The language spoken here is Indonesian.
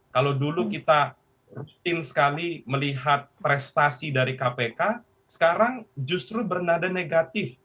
kalau dulu kita rutin sekali melihat prestasi dari kpk sekarang justru bernada negatif